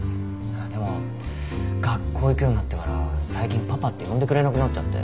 でも学校に行くようになってから最近パパって呼んでくれなくなっちゃって。